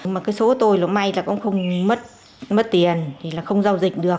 mà số tôi may là cũng không mất tiền không giao dịch được